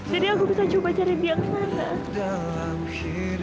jadi aku bisa coba cari dia kemana